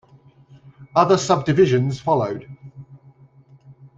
Other subdivisions followed.